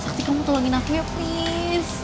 sakti kamu tolongin aku ya please